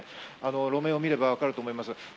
路面を見ればわかると思います。